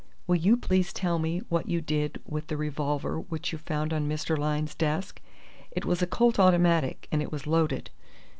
"Will you please tell me what you did with the revolver which you found on Mr. Lyne's desk? It was a Colt automatic, and it was loaded."